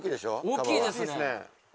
大きいですね